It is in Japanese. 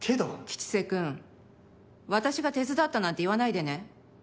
吉瀬君、私が手伝ったなんて言わないでね。